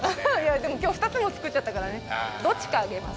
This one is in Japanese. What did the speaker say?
でも、きょう２つも作っちゃったからねどっちかあげます。